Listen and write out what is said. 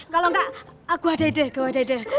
kalau nggak gua ada ide gua ada ide